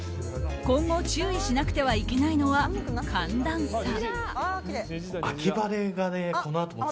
今後注意しなくてはいけないのは寒暖差。